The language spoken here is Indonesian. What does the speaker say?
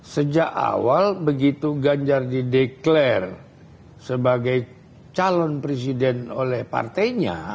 sejak awal begitu ganjar dideklarasi sebagai calon presiden oleh partainya